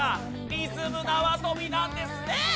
リズム縄跳びなんですね！